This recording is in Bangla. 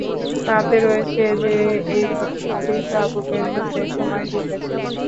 তাতে রয়েছে যে, এ ঘটনাটি তাবুকের যুদ্ধের সময় ঘটেছিল!